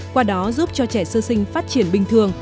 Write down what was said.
qua đó giúp cho trẻ sơ sinh phát triển bình thường